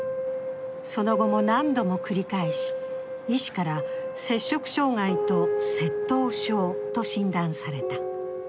その後も何度も繰り返し、医師から摂食障害と窃盗症と診断された。